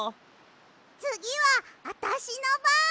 つぎはあたしのばん！